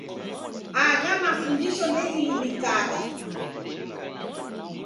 Agha mafundisho ndeghiliw'ikagha